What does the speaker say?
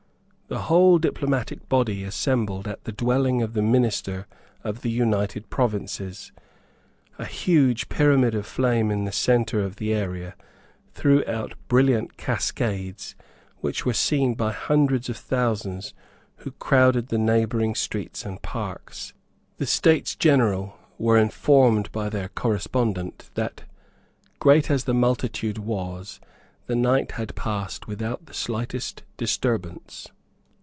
The whole diplomatic body assembled at the dwelling of the minister of the United Provinces. A huge pyramid of flame in the centre of the area threw out brilliant cascades which were seen by hundreds of thousands who crowded the neighbouring streets and parks. The States General were informed by their correspondent that, great as the multitude was, the night had passed without the slightest disturbance.